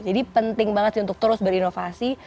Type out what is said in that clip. jadi penting banget sih untuk terus berinovasi